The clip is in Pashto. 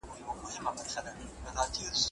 دا نيمه ډوډۍ ده.